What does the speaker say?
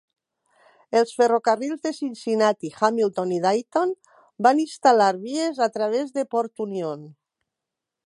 Els ferrocarrils de Cincinnati, Hamilton i Dayton van instal·lar vies a través de Port Union.